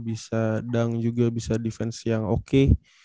bisa dang juga bisa defense yang oke